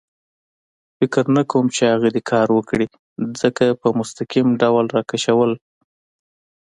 فکر نه کوم چې هغه دې کار وکړي، ځکه په مستقیم ډول را کشول.